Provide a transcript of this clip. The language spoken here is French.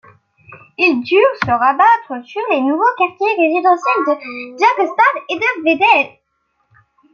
Ils durent se rabattre sur les nouveaux quartiers résidentiels de Jarrestadt et de Veddel.